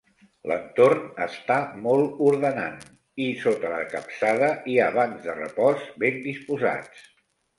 L'entorn està molt ordenant i sota la capçada hi ha bancs de repòs ben disposats.